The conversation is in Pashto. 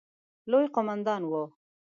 لوی قوماندان وو.